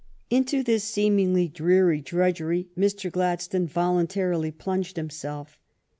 Into this seemingly dreary drudgery Mr. Gladstone voluntarily plunged himself.